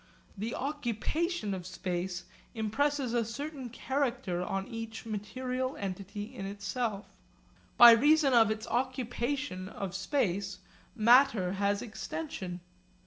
The occupation of space impresses a certain character on each material entity in itself. By reason of its occupation of space matter has extension.